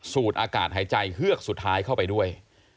อากาศหายใจเฮือกสุดท้ายเข้าไปด้วย